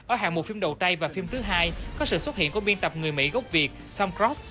ở hạng một phim đầu tay và phim thứ hai có sự xuất hiện của biên tập người mỹ gốc việt tom cross